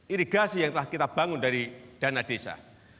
irigasi yang telah kita bangun dari dana desa